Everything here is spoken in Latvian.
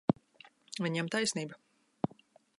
Viņam taisnība.